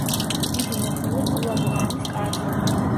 დიდი მოხელე ჰულაგუ-ხანის კარზე.